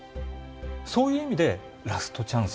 そういう意味でラストチャンス。